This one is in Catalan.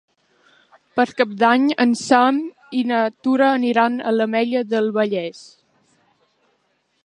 Per Cap d'Any en Sam i na Tura aniran a l'Ametlla del Vallès.